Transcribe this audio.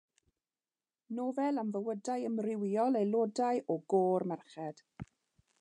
Nofel am fywydau amrywiol aelodau o gôr merched.